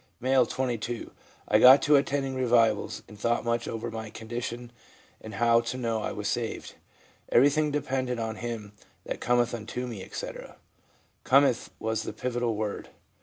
M., 22. * I got to attending revivals, and thought much over my condition and how to know I was saved. Everything depended on "Him that cometh unto me," etc.; " cometh " was the pivotal word.